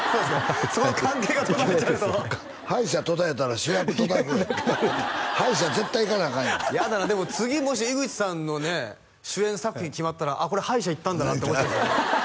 その関係が途絶えちゃうと歯医者途絶えたら主役途絶える歯医者絶対行かなアカンよやだなでも次もし井口さんのね主演作品決まったらあっこれ歯医者行ったんだなって思っちゃいますよね